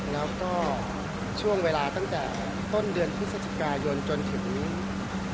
แล้วก็ช่วงเวลาตั้งแต่ต้นเดือนพฤศจิกายนจนถึงวันที่๘ลูกเวลา